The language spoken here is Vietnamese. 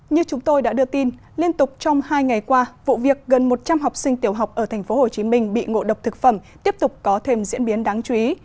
như chúng tôi đã đưa tin liên tục trong hai ngày qua vụ việc gần một trăm linh học sinh tiểu học ở tp hcm bị ngộ độc thực phẩm tiếp tục có thêm diễn biến đáng chú ý